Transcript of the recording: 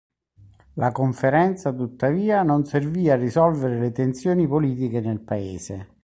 La conferenza tuttavia non servì a risolvere le tensioni politiche nel paese.